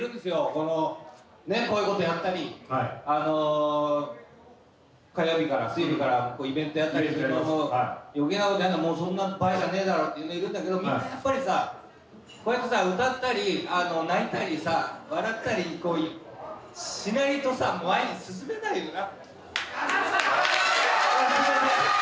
このねっこういうことやったりあの火曜日から水曜日からイベントやったりするのも「余計なことやんな。もうそんな場合じゃねえだろ」って言うんだけどみんなやっぱりさこうやって歌ったり泣いたりさ笑ったりしないとさ前に進めないよな。